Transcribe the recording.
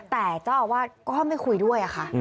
แต่เจ้าอาวาสก็ไม่คุยด้วยค่ะ